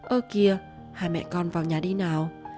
ơ kìa hai mẹ con vào nhà đi nào